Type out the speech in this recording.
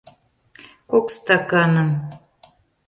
Кок стаканым!..